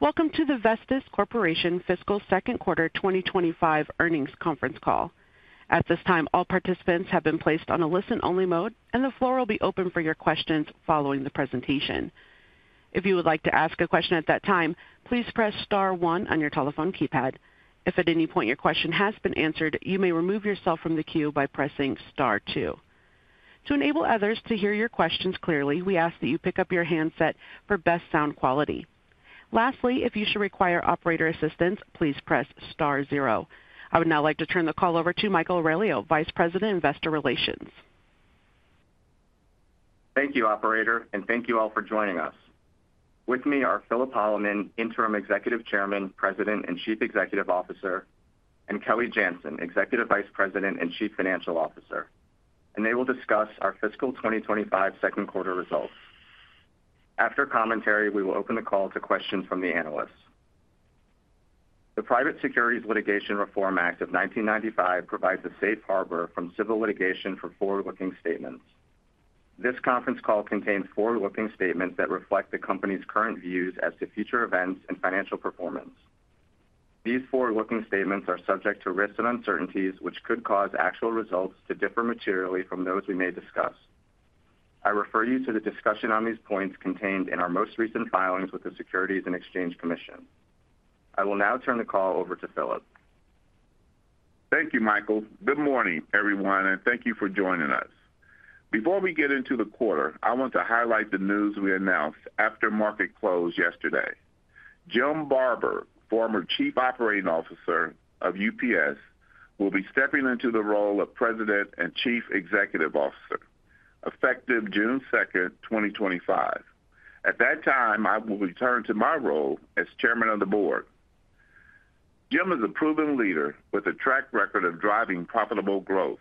Welcome to the Vestis Corporation Fiscal Second Quarter 2025 Earnings Conference Call. At this time, all participants have been placed on a listen-only mode, and the floor will be open for your questions following the presentation. If you would like to ask a question at that time, please press star one on your telephone keypad. If at any point your question has been answered, you may remove yourself from the queue by pressing star two. To enable others to hear your questions clearly, we ask that you pick up your handset for best sound quality. Lastly, if you should require operator assistance, please press star zero. I would now like to turn the call over to Michael Aurelio, Vice President, Investor Relations. Thank you, Operator, and thank you all for joining us. With me are Philip Holloman, Interim Executive Chairman, President, and Chief Executive Officer, and Kelly Janzen, Executive Vice President and Chief Financial Officer. They will discuss our Fiscal 2025 Second Quarter results. After commentary, we will open the call to questions from the analysts. The Private Securities Litigation Reform Act of 1995 provides a safe harbor from civil litigation for forward-looking statements. This conference call contains forward-looking statements that reflect the company's current views as to future events and financial performance. These forward-looking statements are subject to risks and uncertainties, which could cause actual results to differ materially from those we may discuss. I refer you to the discussion on these points contained in our most recent filings with the Securities and Exchange Commission. I will now turn the call over to Philip. Thank you, Michael. Good morning, everyone, and thank you for joining us. Before we get into the quarter, I want to highlight the news we announced after market close yesterday. Jim Barber, former Chief Operating Officer of UPS, will be stepping into the role of President and Chief Executive Officer effective June 2nd, 2025. At that time, I will return to my role as Chairman of the Board. Jim is a proven leader with a track record of driving profitable growth,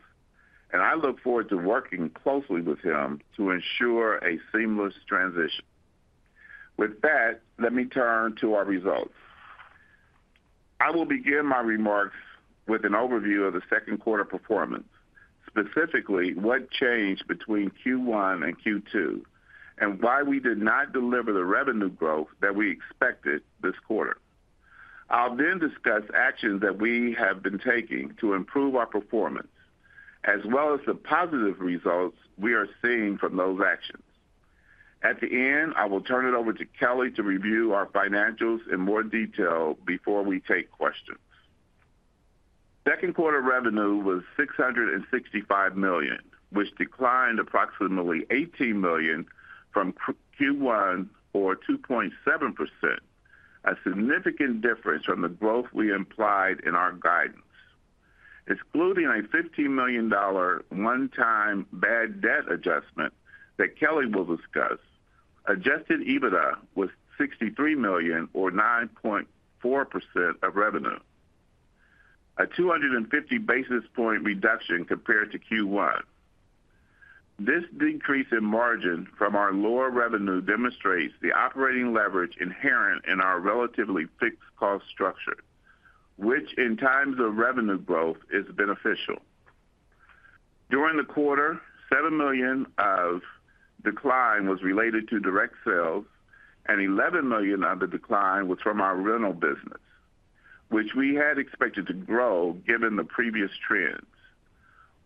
and I look forward to working closely with him to ensure a seamless transition. With that, let me turn to our results. I will begin my remarks with an overview of the second quarter performance, specifically what changed between Q1 and Q2, and why we did not deliver the revenue growth that we expected this quarter. I'll then discuss actions that we have been taking to improve our performance, as well as the positive results we are seeing from those actions. At the end, I will turn it over to Kelly to review our financials in more detail before we take questions. Second quarter revenue was $665 million, which declined approximately $18 million from Q1, or 2.7%, a significant difference from the growth we implied in our guidance. Excluding a $15 million one-time bad debt adjustment that Kelly will discuss, adjusted EBITDA was $63 million, or 9.4% of revenue, a 250 basis point reduction compared to Q1. This decrease in margin from our lower revenue demonstrates the operating leverage inherent in our relatively fixed cost structure, which in times of revenue growth is beneficial. During the quarter, $7 million of decline was related to direct sales, and $11 million of the decline was from our rental business, which we had expected to grow given the previous trends.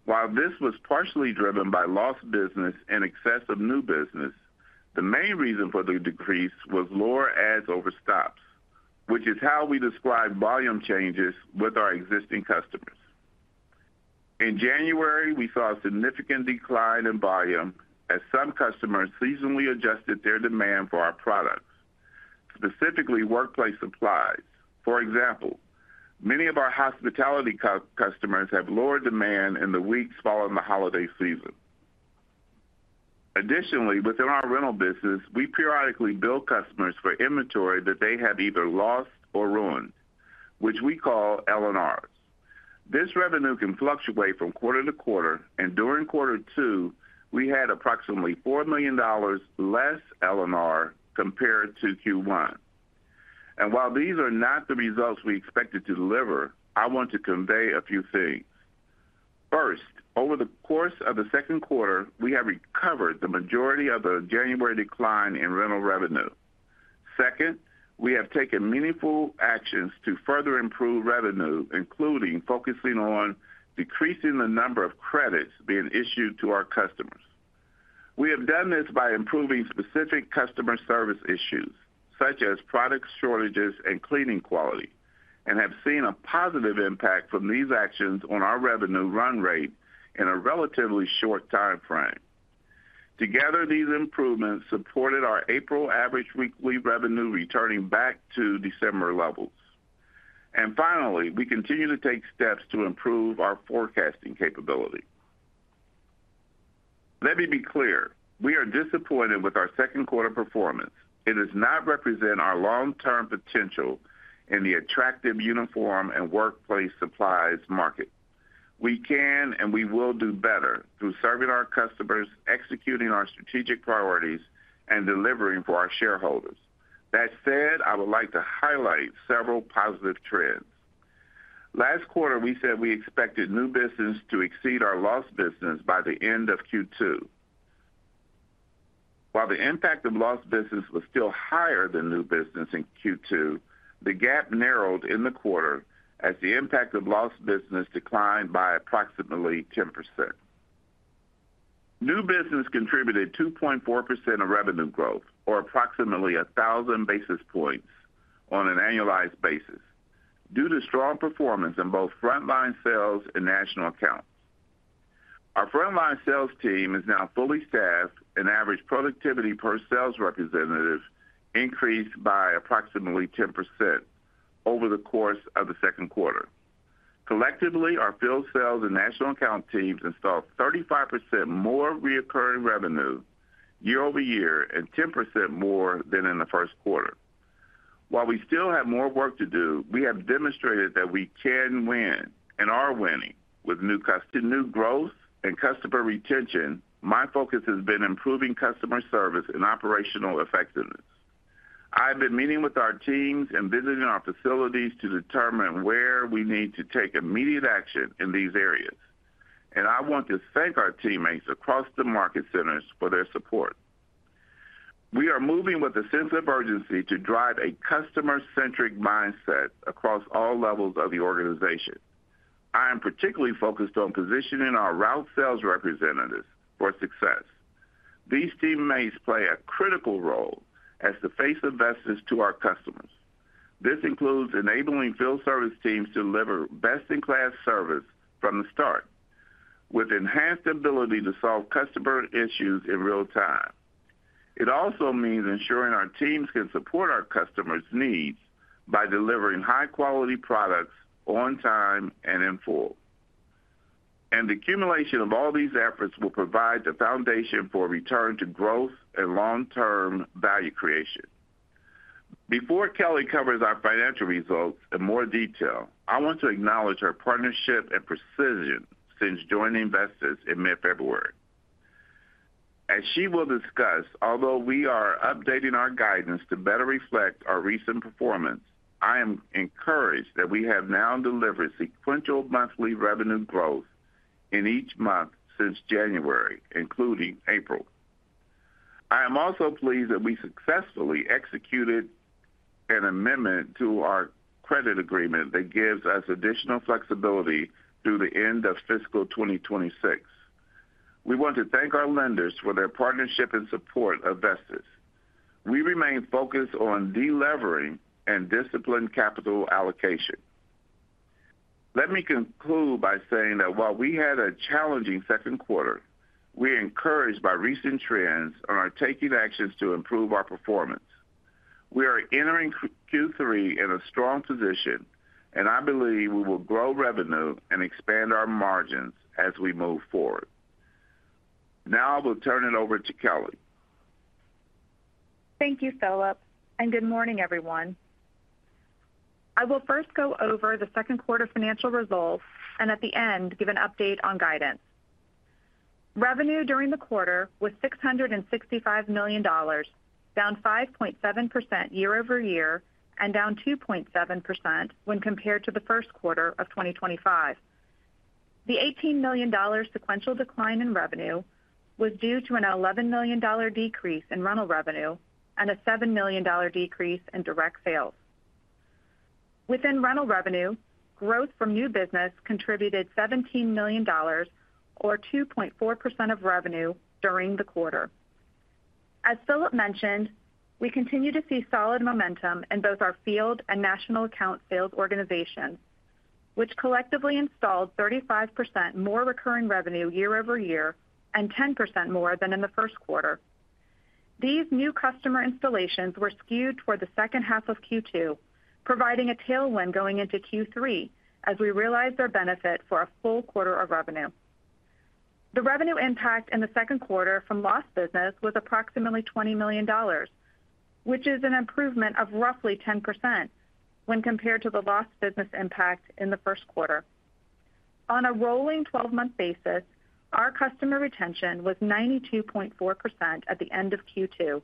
While this was partially driven by lost business in excess of new business, the main reason for the decrease was lower adds over stops, which is how we describe volume changes with our existing customers. In January, we saw a significant decline in volume as some customers seasonally adjusted their demand for our products, specifically workplace supplies. For example, many of our hospitality customers have lower demand in the weeks following the holiday season. Additionally, within our rental business, we periodically bill customers for inventory that they have either lost or ruined, which we call L&Rs. This revenue can fluctuate from quarter to quarter, and during quarter two, we had approximately $4 million less L&R compared to Q1. While these are not the results we expected to deliver, I want to convey a few things. First, over the course of the second quarter, we have recovered the majority of the January decline in rental revenue. Second, we have taken meaningful actions to further improve revenue, including focusing on decreasing the number of credits being issued to our customers. We have done this by improving specific customer service issues, such as product shortages and cleaning quality, and have seen a positive impact from these actions on our revenue run rate in a relatively short time frame. Together, these improvements supported our April average weekly revenue returning back to December levels. Finally, we continue to take steps to improve our forecasting capability. Let me be clear. We are disappointed with our second quarter performance. It does not represent our long-term potential in the attractive uniform and workplace supplies market. We can and we will do better through serving our customers, executing our strategic priorities, and delivering for our shareholders. That said, I would like to highlight several positive trends. Last quarter, we said we expected new business to exceed our lost business by the end of Q2. While the impact of lost business was still higher than new business in Q2, the gap narrowed in the quarter as the impact of lost business declined by approximately 10%. New business contributed 2.4% of revenue growth, or approximately 1,000 basis points on an annualized basis, due to strong performance in both frontline sales and national accounts. Our frontline sales team is now fully staffed, and average productivity per sales representatives increased by approximately 10% over the course of the second quarter. Collectively, our field sales and national account teams installed 35% more recurring revenue year over year and 10% more than in the first quarter. While we still have more work to do, we have demonstrated that we can win and are winning with new customers. To new growth and customer retention, my focus has been improving customer service and operational effectiveness. I have been meeting with our teams and visiting our facilities to determine where we need to take immediate action in these areas. I want to thank our teammates across the market centers for their support. We are moving with a sense of urgency to drive a customer-centric mindset across all levels of the organization. I am particularly focused on positioning our route sales representatives for success. These teammates play a critical role as they face investors to our customers. This includes enabling field service teams to deliver best-in-class service from the start, with enhanced ability to solve customer issues in real time. It also means ensuring our teams can support our customers' needs by delivering high-quality products on time and in full. The accumulation of all these efforts will provide the foundation for return to growth and long-term value creation. Before Kelly covers our financial results in more detail, I want to acknowledge her partnership and precision since joining Vestis in mid-February. As she will discuss, although we are updating our guidance to better reflect our recent performance, I am encouraged that we have now delivered sequential monthly revenue growth in each month since January, including April. I am also pleased that we successfully executed an amendment to our credit agreement that gives us additional flexibility through the end of fiscal 2026. We want to thank our lenders for their partnership and support of Vestis. We remain focused on delevering and disciplined capital allocation. Let me conclude by saying that while we had a challenging second quarter, we are encouraged by recent trends and are taking actions to improve our performance. We are entering Q3 in a strong position, and I believe we will grow revenue and expand our margins as we move forward. Now I will turn it over to Kelly. Thank you, Philip. Good morning, everyone. I will first go over the second quarter financial results and at the end give an update on guidance. Revenue during the quarter was $665 million, down 5.7% year over year and down 2.7% when compared to the first quarter of 2025. The $18 million sequential decline in revenue was due to an $11 million decrease in rental revenue and a $7 million decrease in direct sales. Within rental revenue, growth from new business contributed $17 million, or 2.4% of revenue during the quarter. As Philip mentioned, we continue to see solid momentum in both our field and national account sales organizations, which collectively installed 35% more recurring revenue year over year and 10% more than in the first quarter. These new customer installations were skewed toward the second half of Q2, providing a tailwind going into Q3 as we realized their benefit for a full quarter of revenue. The revenue impact in the second quarter from lost business was approximately $20 million, which is an improvement of roughly 10% when compared to the lost business impact in the first quarter. On a rolling 12-month basis, our customer retention was 92.4% at the end of Q2,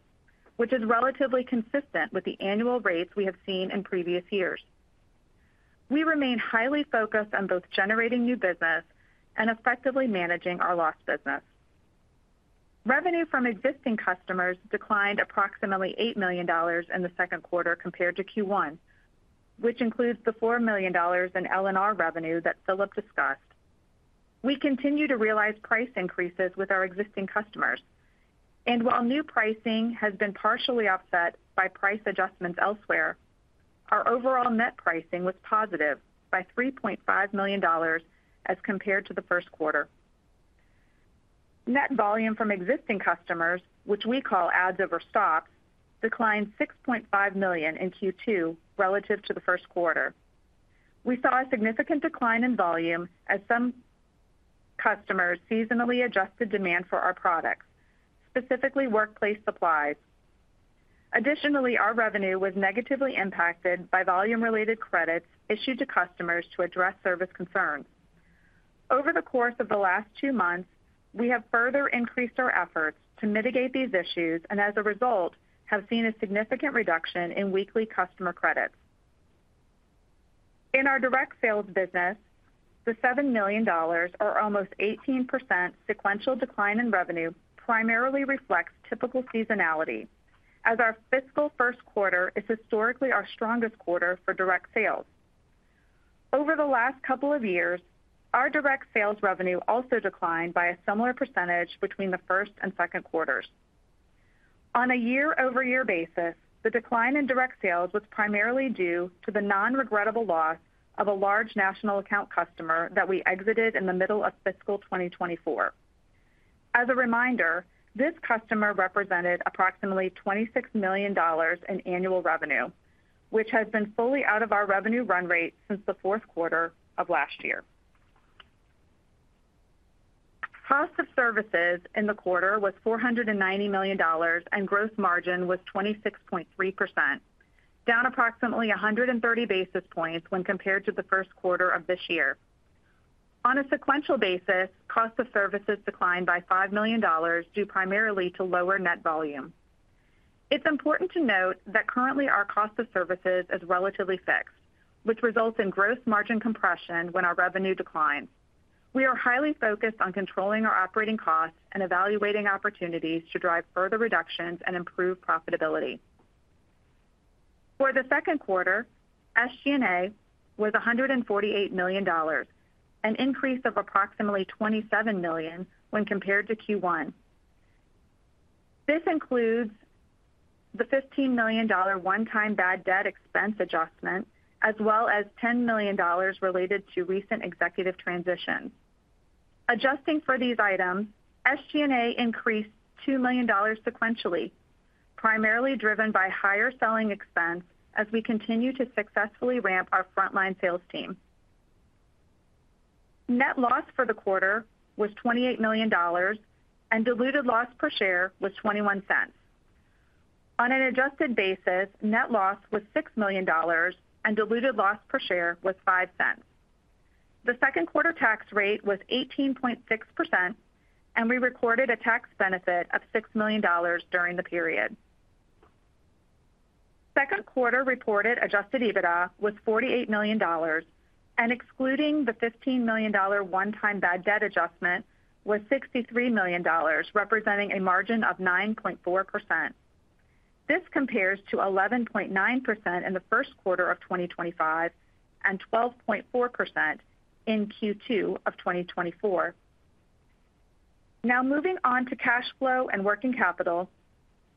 which is relatively consistent with the annual rates we have seen in previous years. We remain highly focused on both generating new business and effectively managing our lost business. Revenue from existing customers declined approximately $8 million in the second quarter compared to Q1, which includes the $4 million in L&R revenue that Philip discussed. We continue to realize price increases with our existing customers. While new pricing has been partially offset by price adjustments elsewhere, our overall net pricing was positive by $3.5 million as compared to the first quarter. Net volume from existing customers, which we call adds over stops, declined $6.5 million in Q2 relative to the first quarter. We saw a significant decline in volume as some customers seasonally adjusted demand for our products, specifically workplace supplies. Additionally, our revenue was negatively impacted by volume-related credits issued to customers to address service concerns. Over the course of the last two months, we have further increased our efforts to mitigate these issues and as a result have seen a significant reduction in weekly customer credits. In our direct sales business, the $7 million, or almost 18% sequential decline in revenue, primarily reflects typical seasonality, as our fiscal first quarter is historically our strongest quarter for direct sales. Over the last couple of years, our direct sales revenue also declined by a similar percentage between the first and second quarters. On a year-over-year basis, the decline in direct sales was primarily due to the non-regrettable loss of a large national account customer that we exited in the middle of fiscal 2024. As a reminder, this customer represented approximately $26 million in annual revenue, which has been fully out of our revenue run rate since the fourth quarter of last year. Cost of services in the quarter was $490 million, and gross margin was 26.3%, down approximately 130 basis points when compared to the first quarter of this year. On a sequential basis, cost of services declined by $5 million due primarily to lower net volume. It's important to note that currently our cost of services is relatively fixed, which results in gross margin compression when our revenue declines. We are highly focused on controlling our operating costs and evaluating opportunities to drive further reductions and improve profitability. For the second quarter, SG&A was $148 million, an increase of approximately $27 million when compared to Q1. This includes the $15 million one-time bad debt expense adjustment, as well as $10 million related to recent executive transitions. Adjusting for these items, SG&A increased $2 million sequentially, primarily driven by higher selling expense as we continue to successfully ramp our frontline sales team. Net loss for the quarter was $28 million, and diluted loss per share was $0.21. On an adjusted basis, net loss was $6 million, and diluted loss per share was $0.05. The second quarter tax rate was 18.6%, and we recorded a tax benefit of $6 million during the period. Second quarter reported adjusted EBITDA was $48 million, and excluding the $15 million one-time bad debt adjustment was $63 million, representing a margin of 9.4%. This compares to 11.9% in the first quarter of 2025 and 12.4% in Q2 of 2024. Now moving on to cash flow and working capital.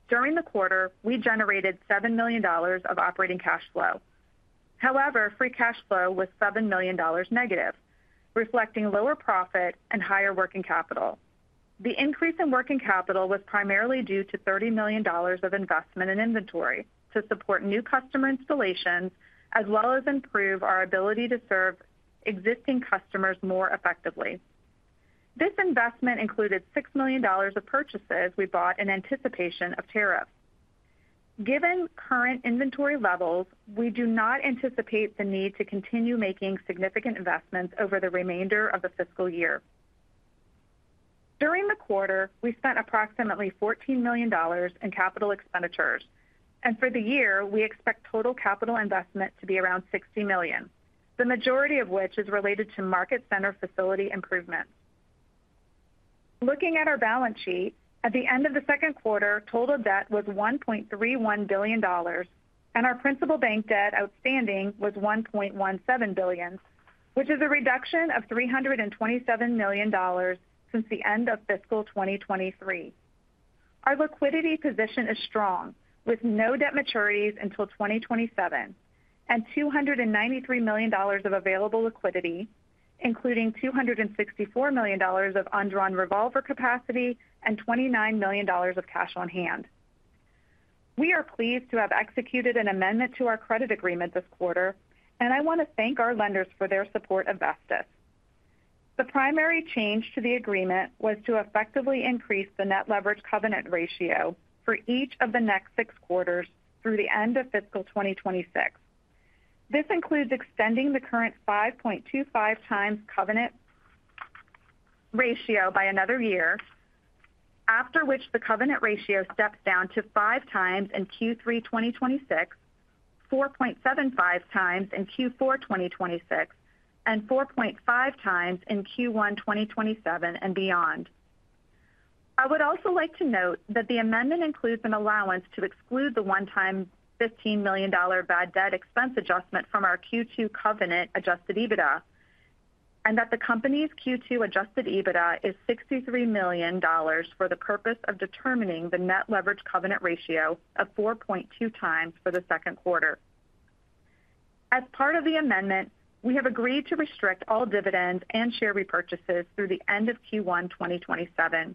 During the quarter, we generated $7 million of operating cash flow. However, free cash flow was -$7 million, reflecting lower profit and higher working capital. The increase in working capital was primarily due to $30 million of investment in inventory to support new customer installations as well as improve our ability to serve existing customers more effectively. This investment included $6 million of purchases we bought in anticipation of tariffs. Given current inventory levels, we do not anticipate the need to continue making significant investments over the remainder of the fiscal year. During the quarter, we spent approximately $14 million in capital expenditures. For the year, we expect total capital investment to be around $60 million, the majority of which is related to market-center facility improvements. Looking at our balance sheet, at the end of the second quarter, total debt was $1.31 billion, and our principal bank debt outstanding was $1.17 billion, which is a reduction of $327 million since the end of fiscal 2023. Our liquidity position is strong, with no debt maturities until 2027 and $293 million of available liquidity, including $264 million of undrawn revolver capacity and $29 million of cash on hand. We are pleased to have executed an amendment to our credit agreement this quarter, and I want to thank our lenders for their support of Vestis. The primary change to the agreement was to effectively increase the net leverage covenant ratio for each of the next six quarters through the end of fiscal 2026. This includes extending the current 5.25x covenant ratio by another year, after which the covenant ratio steps down to 5x in Q3 2026, 4.75x in Q4 2026, and 4.5x in Q1 2027 and beyond. I would also like to note that the amendment includes an allowance to exclude the one-time $15 million bad debt expense adjustment from our Q2 covenant adjusted EBITDA, and that the company's Q2 adjusted EBITDA is $63 million for the purpose of determining the net leverage covenant ratio of 4.2x for the second quarter. As part of the amendment, we have agreed to restrict all dividends and share repurchases through the end of Q1 2027.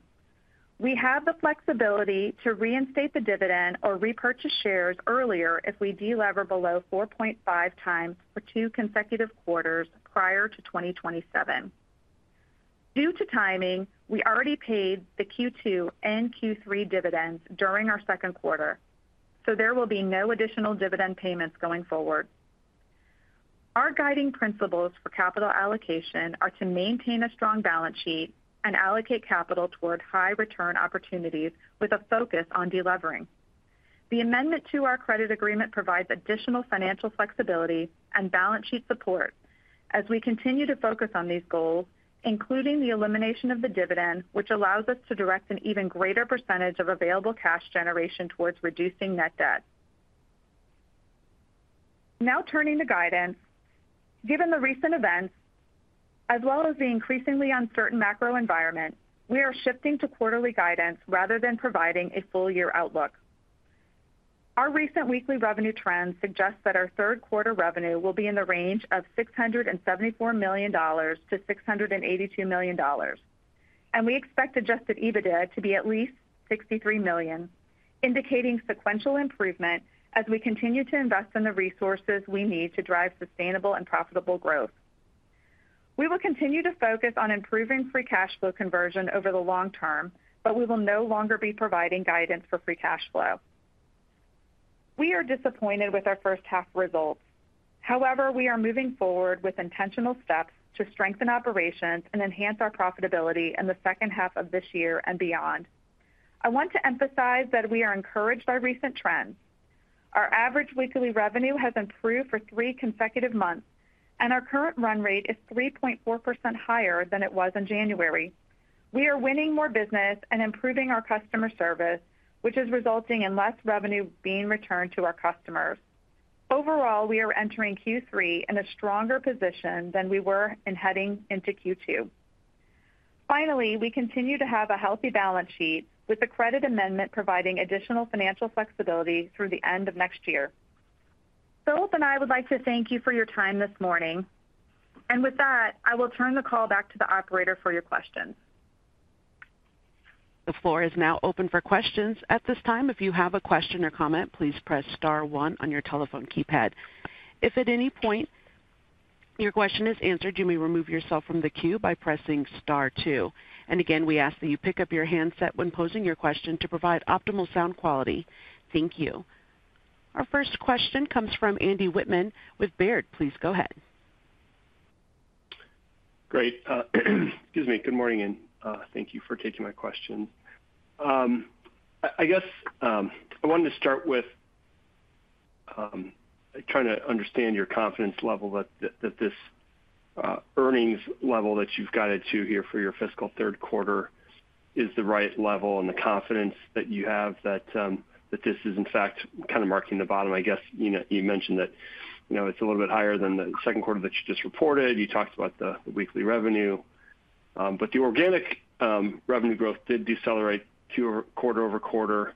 We have the flexibility to reinstate the dividend or repurchase shares earlier if we delever below 4.5x for two consecutive quarters prior to 2027. Due to timing, we already paid the Q2 and Q3 dividends during our second quarter, so there will be no additional dividend payments going forward. Our guiding principles for capital allocation are to maintain a strong balance sheet and allocate capital toward high return opportunities with a focus on delevering. The amendment to our credit agreement provides additional financial flexibility and balance sheet support as we continue to focus on these goals, including the elimination of the dividend, which allows us to direct an even greater percentage of available cash generation towards reducing net debt. Now turning to guidance, given the recent events as well as the increasingly uncertain macro environment, we are shifting to quarterly guidance rather than providing a full-year outlook. Our recent weekly revenue trend suggests that our third quarter revenue will be in the range of $674 million-$682 million, and we expect adjusted EBITDA to be at least $63 million, indicating sequential improvement as we continue to invest in the resources we need to drive sustainable and profitable growth. We will continue to focus on improving free cash flow conversion over the long term, but we will no longer be providing guidance for free cash flow. We are disappointed with our first half results. However, we are moving forward with intentional steps to strengthen operations and enhance our profitability in the second half of this year and beyond. I want to emphasize that we are encouraged by recent trends. Our average weekly revenue has improved for three consecutive months, and our current run rate is 3.4% higher than it was in January. We are winning more business and improving our customer service, which is resulting in less revenue being returned to our customers. Overall, we are entering Q3 in a stronger position than we were in heading into Q2. Finally, we continue to have a healthy balance sheet with the credit amendment providing additional financial flexibility through the end of next year. Philip and I would like to thank you for your time this morning. With that, I will turn the call back to the operator for your questions. The floor is now open for questions. At this time, if you have a question or a comment, please press star one on your telephone keypad. If at any point your question is answered, you may remove yourself from the queue by pressing star two. Again, we ask that you pick up your handset when posing your question to provide optimal sound quality. Thank you. Our first question comes from Andy Whitman with Baird. Please go ahead. Great. Excuse me. Good morning and thank you for taking my questions. I guess I wanted to start with trying to understand your confidence level that this earnings level that you've guided to here for your fiscal third quarter is the right level and the confidence that you have that this is, in fact, kind of marking the bottom. I guess you mentioned that it's a little bit higher than the second quarter that you just reported. You talked about the weekly revenue. The organic revenue growth did decelerate quarter over quarter.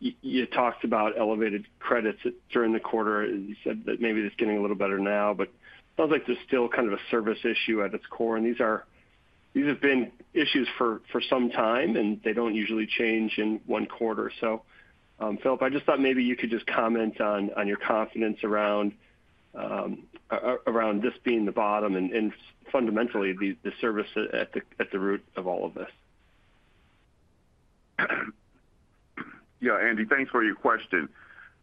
You talked about elevated credits during the quarter. You said that maybe it's getting a little better now, but it sounds like there's still kind of a service issue at its core. These have been issues for some time, and they don't usually change in one quarter. Philip, I just thought maybe you could just comment on your confidence around this being the bottom and fundamentally the service at the root of all of this. Yeah, Andy, thanks for your question.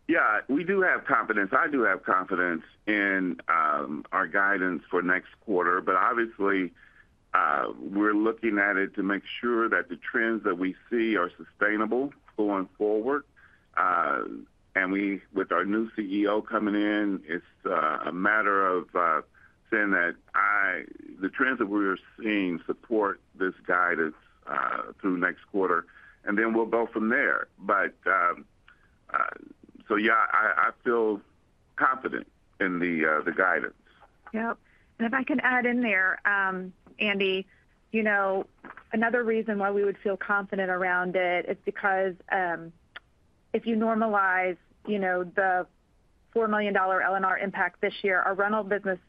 Yeah, we do have confidence. I do have confidence in our guidance for next quarter. Obviously, we're looking at it to make sure that the trends that we see are sustainable going forward. With our new CEO coming in, it's a matter of saying that the trends that we are seeing support this guidance through next quarter, and then we'll go from there. Yeah, I feel confident in the guidance. Yes. If I can add in there, Andy, another reason why we would feel confident around it is because if you normalize the $4 million L&R impact this year, our rental business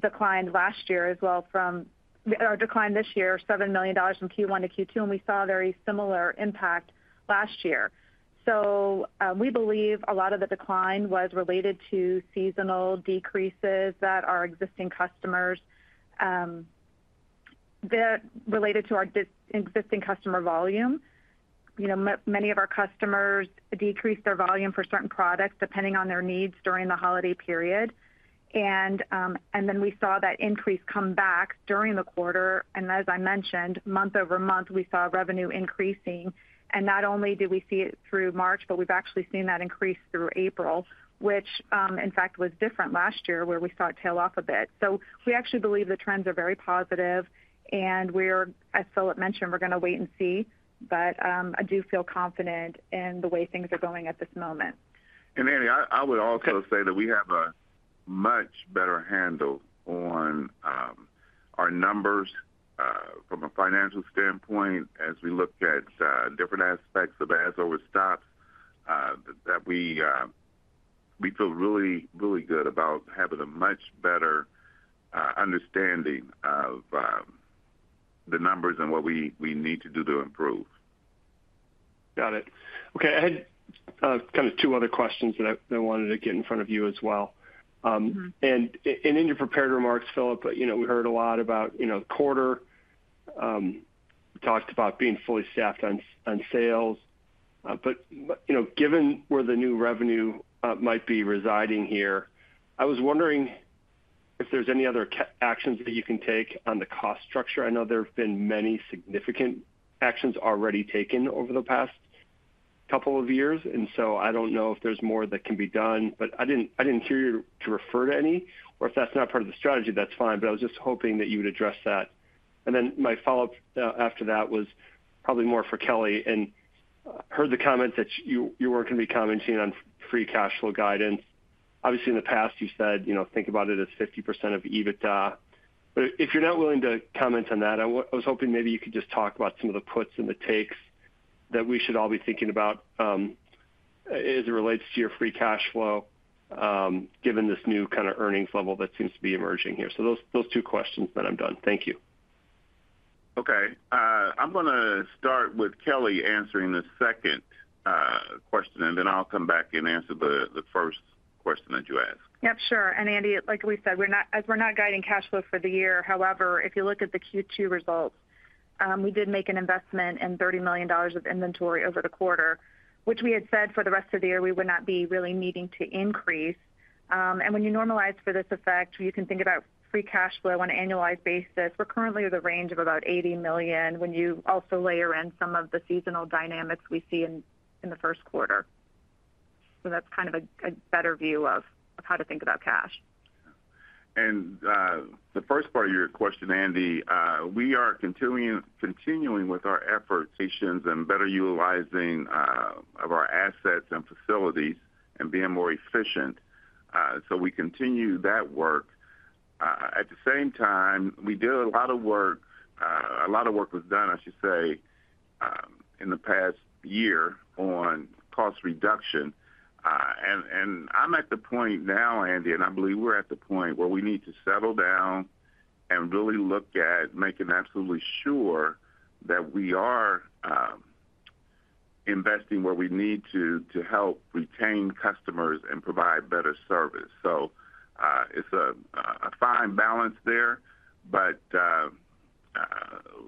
declined last year as well from, declined this year, $7 million from Q1 to Q2, and we saw a very similar impact last year. We believe a lot of the decline was related to seasonal decreases that our existing customers related to our existing customer volume. Many of our customers decreased their volume for certain products depending on their needs during the holiday period. We saw that increase come back during the quarter. As I mentioned, month over month, we saw revenue increasing. Not only did we see it through March, but we've actually seen that increase through April, which, in fact, was different last year where we saw it tail off a bit. We actually believe the trends are very positive. As Philip mentioned, we are going to wait and see. I do feel confident in the way things are going at this moment. Andy, I would also say that we have a much better handle on our numbers from a financial standpoint as we look at different aspects of adds over stops that we feel really good about having a much better understanding of the numbers and what we need to do to improve. Got it. Okay. I had kind of two other questions that I wanted to get in front of you as well. In your prepared remarks, Philip, we heard a lot about the quarter. We talked about being fully staffed on sales. Given where the new revenue might be residing here, I was wondering if there's any other actions that you can take on the cost structure. I know there have been many significant actions already taken over the past couple of years, and so I don't know if there's more that can be done. I didn't hear you refer to any. If that's not part of the strategy, that's fine. I was just hoping that you would address that. My follow-up after that was probably more for Kelly. I heard the comment that you weren't going to be commenting on free cash flow guidance. Obviously, in the past, you said, "Think about it as 50% of EBITDA." If you're not willing to comment on that, I was hoping maybe you could just talk about some of the puts and the takes that we should all be thinking about as it relates to your free cash flow given this new kind of earnings level that seems to be emerging here. Those two questions, then I'm done. Thank you. Okay. I'm going to start with Kelly answering the second question, and then I'll come back and answer the first question that you asked. Yes. Sure. Andy, like we said, as we're not guiding cash flow for the year, however, if you look at the Q2 results, we did make an investment in $30 million of inventory over the quarter, which we had said for the rest of the year we would not be really needing to increase. When you normalize for this effect, you can think about free cash flow on an annualized basis. We're currently at a range of about $80 million when you also layer in some of the seasonal dynamics we see in the first quarter. That is kind of a better view of how to think about cash. The first part of your question, Andy, we are continuing with our efforts and better utilizing our assets and facilities and being more efficient. We continue that work. At the same time, we did a lot of work. A lot of work was done, I should say, in the past year on cost reduction. I'm at the point now, Andy, and I believe we're at the point where we need to settle down and really look at making absolutely sure that we are investing where we need to to help retain customers and provide better service. It's a fine balance there, but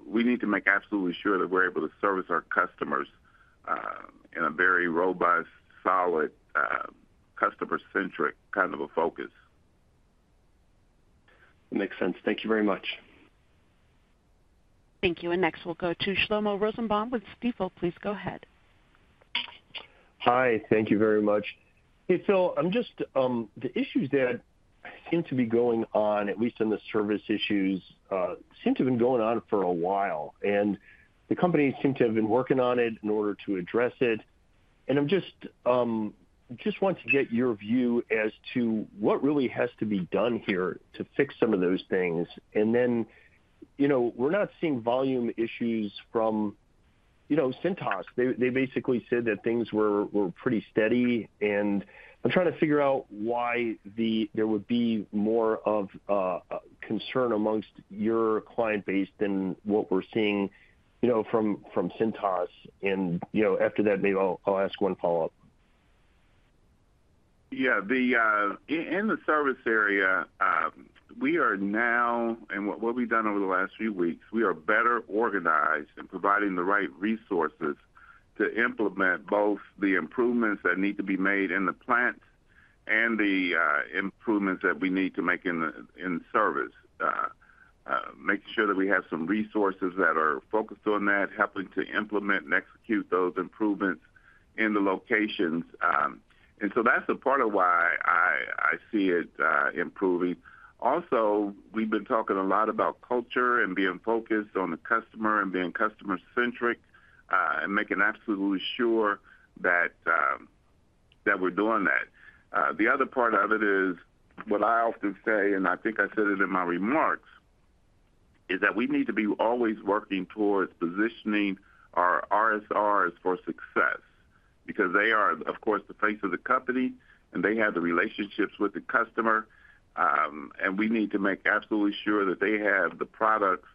we need to make absolutely sure that we're able to service our customers in a very robust, solid, customer-centric kind of a focus. Makes sense. Thank you very much. Thank you. Next, we'll go to Shlomo Rosenbaum with Stifel. Please go ahead. Hi. Thank you very much. Hey, Philip, the issues that seem to be going on, at least in the service issues, seem to have been going on for a while. The company seemed to have been working on it in order to address it. I just want to get your view as to what really has to be done here to fix some of those things. We're not seeing volume issues from Cintas. They basically said that things were pretty steady. I'm trying to figure out why there would be more of a concern amongst your client base than what we're seeing from Cintas. After that, maybe I'll ask one follow-up. Yeah. In the service area, we are now, and what we've done over the last few weeks, we are better organized in providing the right resources to implement both the improvements that need to be made in the plant and the improvements that we need to make in service, making sure that we have some resources that are focused on that, helping to implement and execute those improvements in the locations. That's the part of why I see it improving. Also, we've been talking a lot about culture and being focused on the customer and being customer-centric and making absolutely sure that we're doing that. The other part of it is what I often say, and I think I said it in my remarks, is that we need to be always working towards positioning our RSRs for success because they are, of course, the face of the company, and they have the relationships with the customer. We need to make absolutely sure that they have the products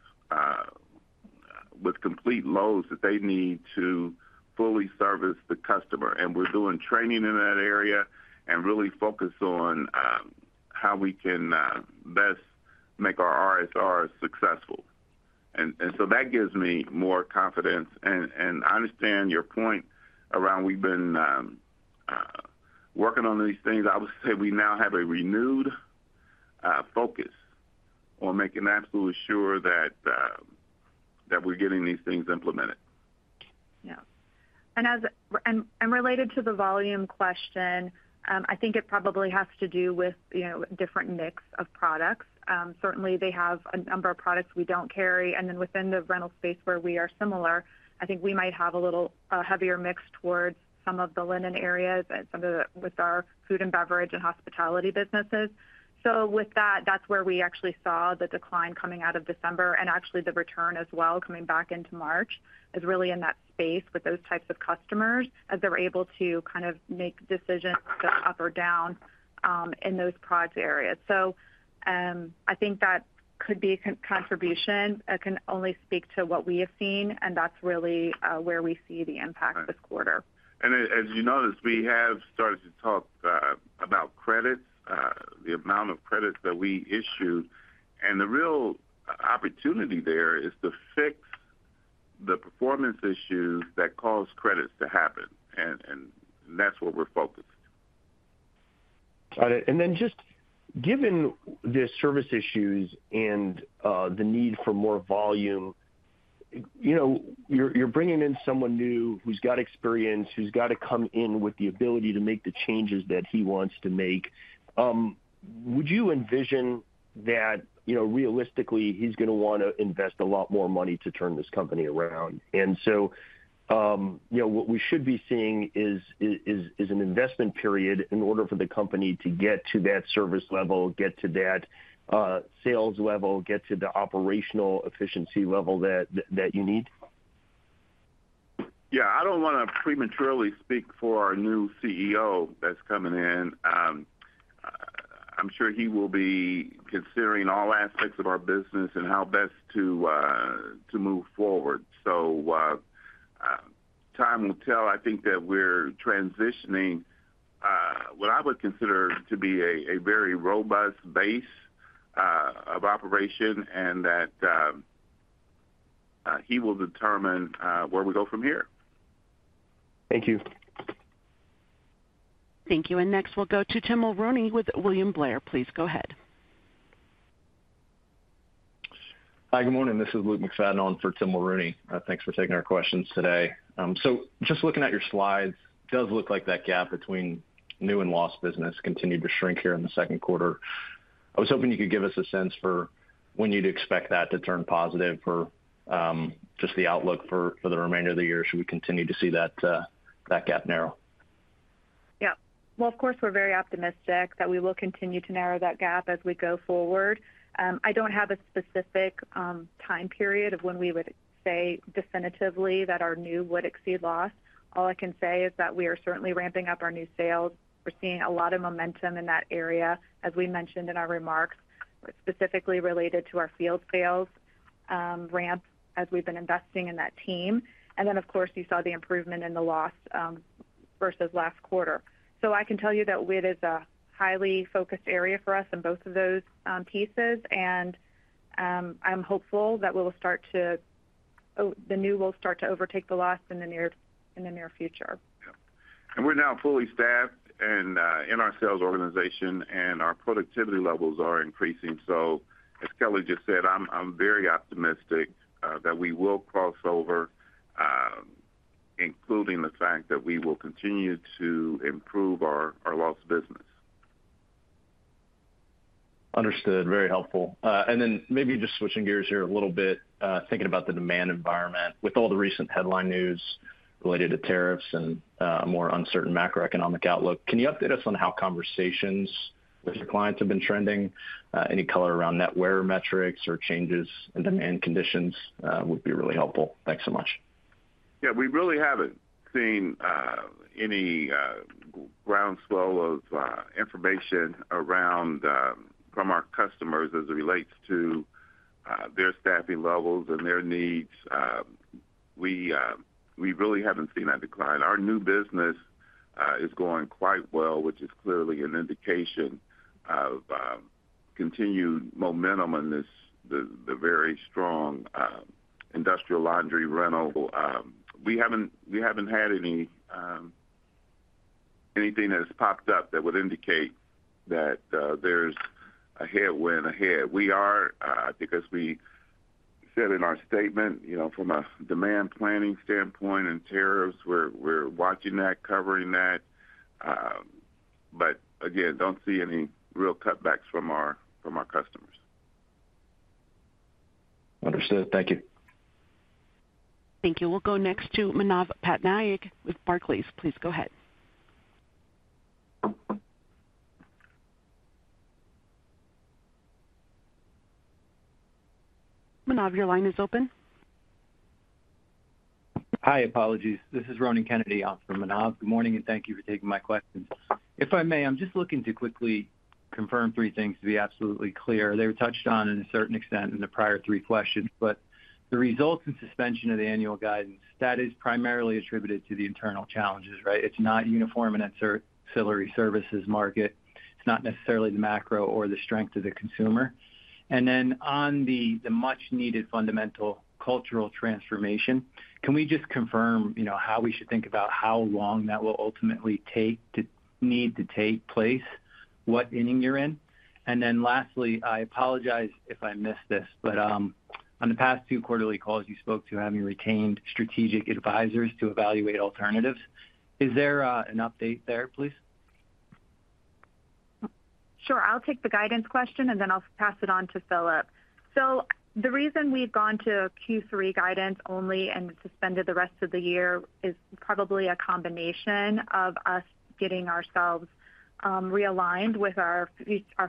with complete loads that they need to fully service the customer. We are doing training in that area and really focus on how we can best make our RSRs successful. That gives me more confidence. I understand your point around we've been working on these things. I would say we now have a renewed focus on making absolutely sure that we're getting these things implemented. Yeah. Related to the volume question, I think it probably has to do with a different mix of products. Certainly, they have a number of products we don't carry. Within the rental space where we are similar, I think we might have a heavier mix towards some of the linen areas and some of the, with our food and beverage and hospitality businesses. With that, that is where we actually saw the decline coming out of December. Actually, the return as well coming back into March is really in that space with those types of customers as they are able to kind of make decisions up or down in those product areas. I think that could be a contribution. I can only speak to what we have seen, and that's really where we see the impact this quarter. As you noticed, we have started to talk about credits, the amount of credits that we issue. The real opportunity there is to fix the performance issues that cause credits to happen. That's where we are focused. Got it. Just given the service issues and the need for more volume, you are bringing in someone new who's got experience, who's got to come in with the ability to make the changes that he wants to make. Would you envision that realistically he is going to want to invest a lot more money to turn this company around? What we should be seeing is an investment period in order for the company to get to that service level, get to that sales level, get to the operational efficiency level that you need? Yeah. I don't want to prematurely speak for our new CEO that is coming in. I'm sure he will be considering all aspects of our business and how best to move forward. Time will tell. I think that we're transitioning what I would consider to be a very robust base of operation and that he will determine where we go from here. Thank you. Thank you. Next, we'll go to Tim Mulrooney with William Blair. Please go ahead. Hi. Good morning. This is Luke McFadden on for Tim Mulrooney. Thanks for taking our questions today. Just looking at your slides, it does look like that gap between new and lost business continued to shrink here in the second quarter. I was hoping you could give us a sense for when you'd expect that to turn positive for just the outlook for the remainder of the year should we continue to see that gap narrow. Yes. Of course, we're very optimistic that we will continue to narrow that gap as we go forward. I don't have a specific time period of when we would say definitively that our new would exceed lost. All I can say is that we are certainly ramping up our new sales. We're seeing a lot of momentum in that area, as we mentioned in our remarks, specifically related to our field sales ramp as we've been investing in that team. Then of course you saw the improvement in the lost versus last quarter. I can tell you that it is a highly focused area for us in both of those pieces. I'm hopeful that the new will start to overtake the lost in the near future. Yes. We're now fully staffed in our sales organization, and our productivity levels are increasing. As Kelly just said, I'm very optimistic that we will cross over, including the fact that we will continue to improve our lost business. Understood. Very helpful. Maybe just switching gears here a little bit, thinking about the demand environment with all the recent headline news related to tariffs and a more uncertain macroeconomic outlook, can you update us on how conversations with your clients have been trending? Any color around net wear metrics or changes in demand conditions would be really helpful. Thanks so much. Yeah. We really haven't seen any groundswell of information from our customers as it relates to their staffing levels and their needs. We really haven't seen a decline. Our new business is going quite well, which is clearly an indication of continued momentum in the very strong industrial laundry rental. We haven't had anything that has popped up that would indicate that there's a headwind ahead. We are, because we said in our statement, from a demand planning standpoint and tariffs, we're watching that, covering that. Again, I don't see any real cutbacks from our customers. Understood. Thank you. Thank you. We'll go next to Manav Patnaik with Barclays. Please go ahead. Manav, your line is open. Hi. Apologies. This is Ronan Kennedy for Manav. Good morning, and thank you for taking my questions. If I may, I'm just looking to quickly confirm three things to be absolutely clear. They were touched on in a certain extent in the prior three questions. The results and suspension of the annual guidance, that is primarily attributed to the internal challenges, right? It's not uniform and auxiliary services market. It's not necessarily the macro or the strength of the consumer. On the much-needed fundamental cultural transformation, can we just confirm how we should think about how long that will ultimately need to take place, what inning you are in? Lastly, I apologize if I missed this, but on the past two quarterly calls you spoke to having retained strategic advisors to evaluate alternatives. Is there an update there, please? Sure. I will take the guidance question, and then I will pass it on to Philip. The reason we've gone to Q3 guidance only and suspended the rest of the year is probably a combination of us getting ourselves realigned with our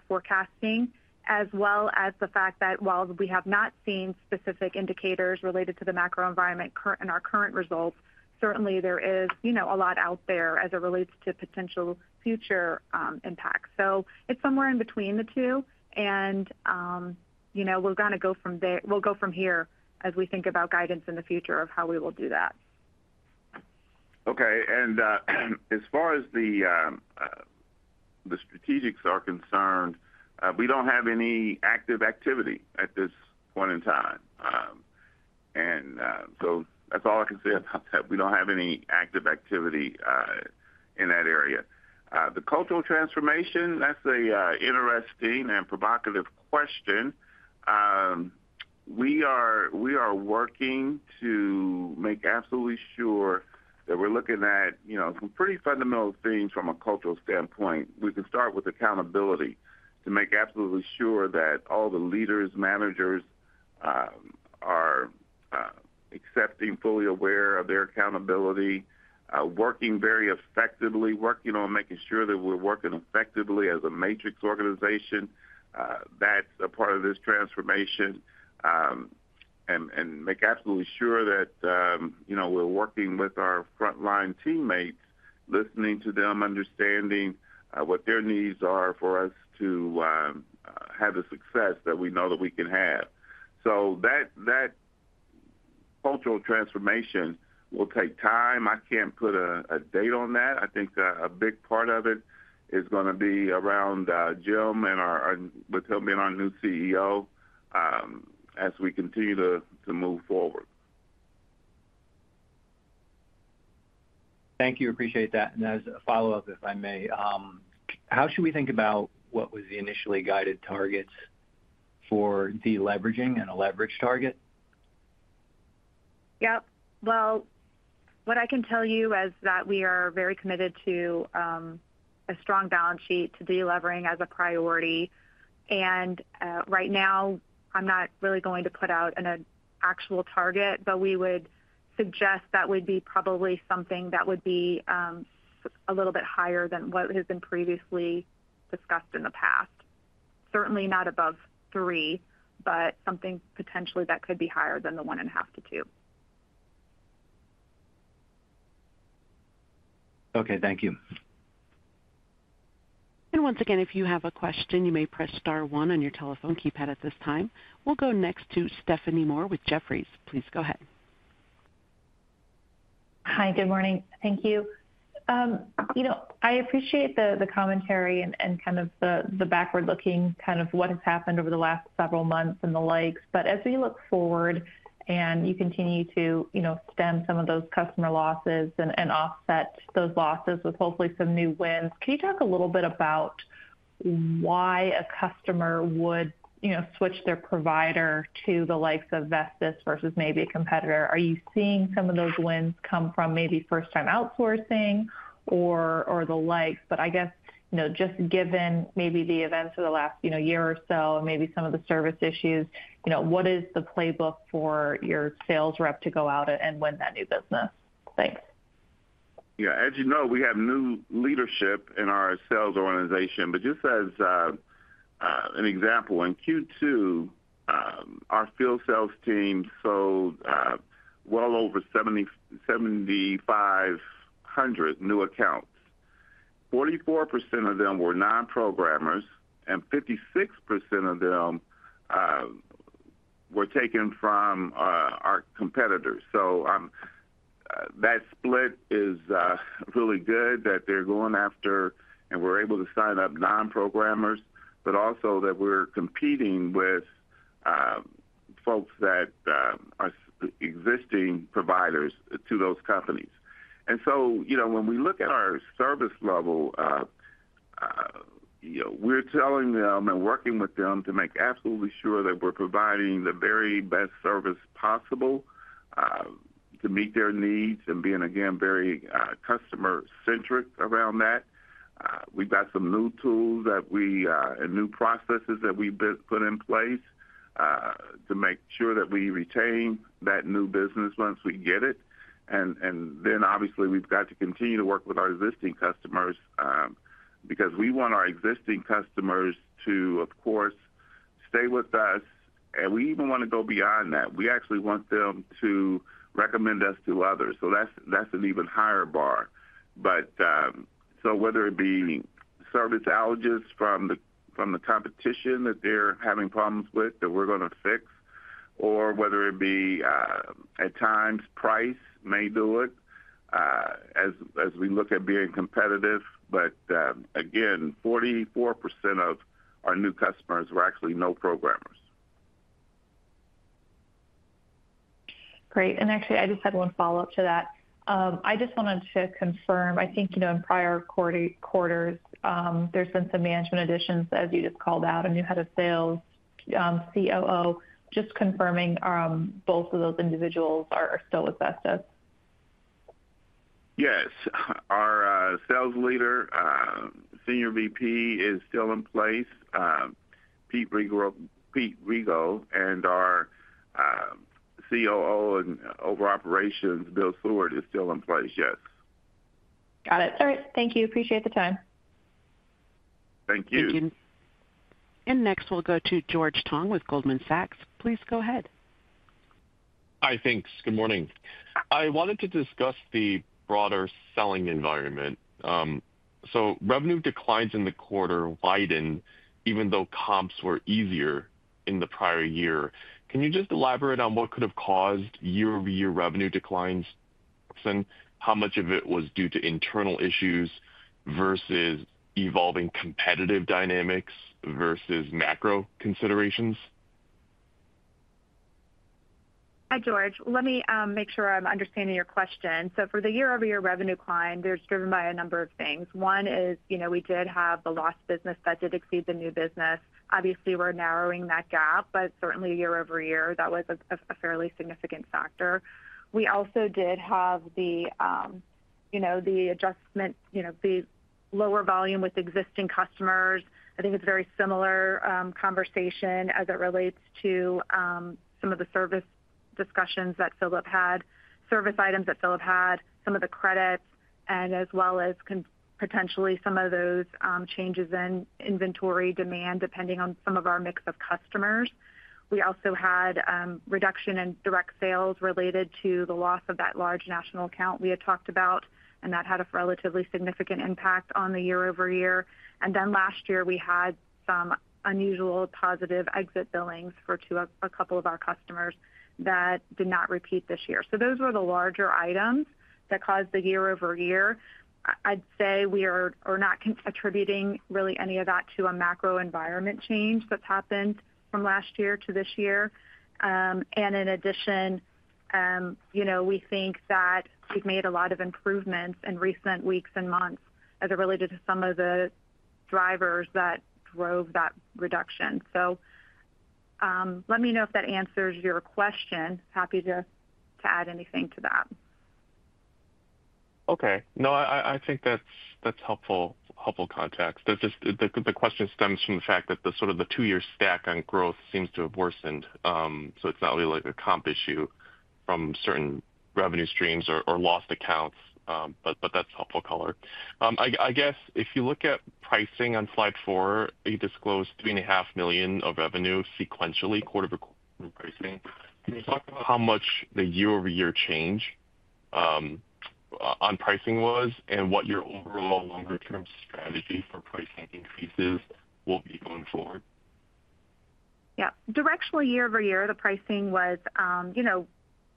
forecasting, as well as the fact that while we have not seen specific indicators related to the macro environment in our current results, certainly there is a lot out there as it relates to potential future impacts. It's somewhere in between the two. We are going to go from there. We will go from here as we think about guidance in the future of how we will do that. Okay. As far as the strategics are concerned, we don't have any active activity at this point in time. That's all I can say about that. We don't have any active activity in that area. The cultural transformation, that is an interesting and provocative question. We are working to make absolutely sure that we are looking at some pretty fundamental things from a cultural standpoint. We can start with accountability to make absolutely sure that all the leaders, managers are accepting, fully aware of their accountability, working very effectively, working on making sure that we are working effectively as a matrix organization. That's a part of this transformation. Make absolutely sure that we're working with our frontline teammates, listening to them, understanding what their needs are for us to have the success that we know that we can have. That cultural transformation will take time. I can't put a date on that. I think a big part of it is going to be around Jim and with him being our new CEO as we continue to move forward. Thank you. Appreciate that. As a follow-up, if I may, how should we think about what was the initially guided targets for deleveraging and a leverage target? Yes. What I can tell you is that we are very committed to a strong balance sheet to delevering as a priority. Right now, I'm not really going to put out an actual target, but we would suggest that would be probably something that would be a little bit higher than what has been previously discussed in the past. Certainly not above three, but something potentially that could be higher than the one and a half to two. Okay. Thank you. Once again, if you have a question, you may press star one on your telephone keypad at this time. We'll go next to Stephanie Moore with Jefferies. Please go ahead. Hi. Good morning. Thank you. I appreciate the commentary and kind of the backward-looking kind of what has happened over the last several months and the likes. As we look forward and you continue to stem some of those customer losses and offset those losses with hopefully some new wins, can you talk a little bit about why a customer would switch their provider to the likes of Vestis versus maybe a competitor? Are you seeing some of those wins come from maybe first-time outsourcing or the likes? I guess just given maybe the events of the last year or so and maybe some of the service issues, what is the playbook for your sales rep to go out and win that new business? Thanks. Yeah. As you know, we have new leadership in our sales organization. Just as an example, in Q2, our field sales team sold well over 7,500 new accounts. 44% of them were non-programmers, and 56% of them were taken from our competitors. That split is really good that they're going after and we're able to sign up non-programmers, but also that we're competing with folks that are existing providers to those companies. When we look at our service level, we're telling them and working with them to make absolutely sure that we're providing the very best service possible to meet their needs and being, again, very customer-centric around that. We've got some new tools and new processes that we've put in place to make sure that we retain that new business once we get it. Then, obviously, we've got to continue to work with our existing customers because we want our existing customers to, of course, stay with us. We even want to go beyond that. We actually want them to recommend us to others. That's an even higher bar. Whether it be service outages from the competition that they're having problems with that we're going to fix, or whether it'd be at times price may do it as we look at being competitive. Again, 44% of our new customers were actually no programmers. Great. I just had one follow-up to that. I just wanted to confirm. I think in prior quarters, there's been some management additions, as you just called out, a new head of sales, COO. Just confirming both of those individuals are still with Vestis. Yes. Our sales leader, Senior VP, is still in place. Pete Rego and our COO of our operations, Bill Seward, is still in place. Yes. Got it. All right. Thank you. Appreciate the time. Thank you. Thank you. Next, we'll go to George Tong with Goldman Sachs. Please go ahead. Hi. Thanks. Good morning. I wanted to discuss the broader selling environment. Revenue declines in the quarter widened even though comps were easier in the prior year. Can you just elaborate on what could have caused year-over-year revenue declines and how much of it was due to internal issues versus evolving competitive dynamics versus macro considerations? Hi, George. Let me make sure I'm understanding your question. For the year-over-year revenue decline, it's driven by a number of things. One is we did have the lost business that did exceed the new business. Obviously, we're narrowing that gap, but certainly year-over-year, that was a fairly significant factor. We also did have the adjustment, the lower volume with existing customers. I think it's a very similar conversation as it relates to some of the service discussions that Philip had, service items that Philip had, some of the credits, as well as potentially some of those changes in inventory demand depending on some of our mix of customers. We also had reduction in direct sales related to the loss of that large national account we had talked about, and that had a relatively significant impact on the year-over-year. Last year, we had some unusual positive exit billings for a couple of our customers that did not repeat this year. Those were the larger items that caused the year-over-year. I'd say we are not attributing really any of that to a macro environment change that's happened from last year to this year. In addition, we think that we've made a lot of improvements in recent weeks and months as it related to some of the drivers that drove that reduction. Let me know if that answers your question. Happy to add anything to that. Okay. I think that's helpful context. The question stems from the fact that sort of the two-year stack on growth seems to have worsened. It's not really like a comp issue from certain revenue streams or lost accounts, but that's helpful color. I guess if you look at pricing on slide four, you disclosed $3.5 million of revenue sequentially quarter-to-quarter pricing. Can you talk about how much the year-over-year change on pricing was and what your overall longer-term strategy for pricing increases will be going forward? Yeah. Directionally year-over-year, the pricing was a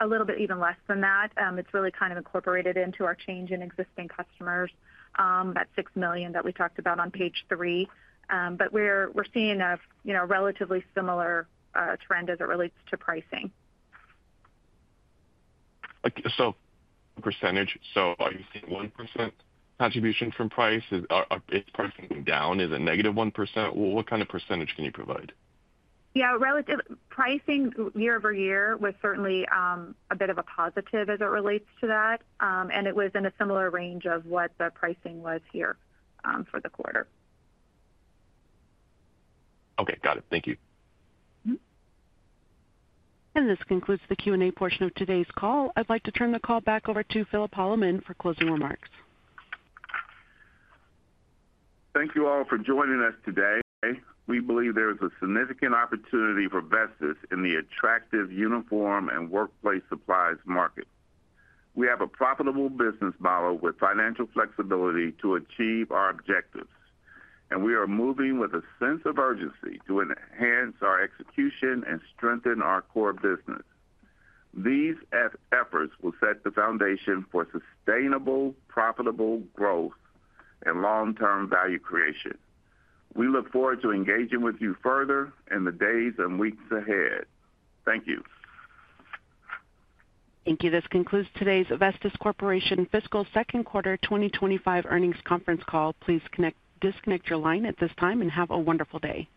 little bit even less than that. It's really kind of incorporated into our change in existing customers, that $6 million that we talked about on page three. We're seeing a relatively similar trend as it relates to pricing. So percentage, are you seeing 1% contribution from price? Is pricing down? Is it -1%? What kind of percentage can you provide? Yeah. Pricing year-over-year was certainly a bit of a positive as it relates to that. It was in a similar range of what the pricing was here for the quarter. Okay. Got it. Thank you. This concludes the Q&A portion of today's call. I'd like to turn the call back over to Philip Holloman for closing remarks. Thank you all for joining us today. We believe there is a significant opportunity for Vestis in the attractive uniform and workplace supplies market. We have a profitable business model with financial flexibility to achieve our objectives. We are moving with a sense of urgency to enhance our execution and strengthen our core business. These efforts will set the foundation for sustainable, profitable growth and long-term value creation. We look forward to engaging with you further in the days and weeks ahead. Thank you. This concludes today's Vestis Corporation Fiscal Second Quarter 2025 Earnings Conference Call. Please disconnect your line at this time and have a wonderful day.